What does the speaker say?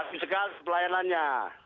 pak fisikal pelayanannya